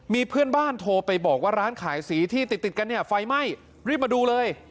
มีเพื่อนบ้านโทรไปบอกว่าร้านขายสีที่ติดกันเนี่ยไฟไหม้รีบมาดูเลย